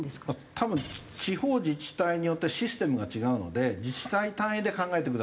多分地方自治体によってシステムが違うので自治体単位で考えてくださいっていう事だと思います。